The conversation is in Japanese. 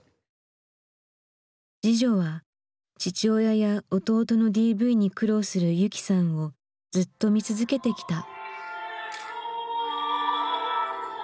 次女は父親や弟のＤＶに苦労する雪さんをずっと見続けてきた。